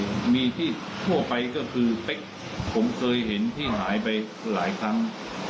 ผมมีที่ทั่วไปก็คือเป๊กผมเคยเห็นที่หายไปหลายครั้ง